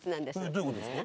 どういう事ですか？